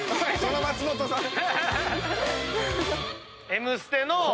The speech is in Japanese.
『Ｍステ』の。